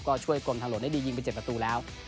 ก็ช่วยกรมทางหลวงได้ดียิงไป๗ประตูแล้ว